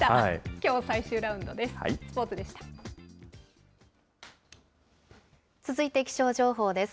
きょう最終ラウンドです。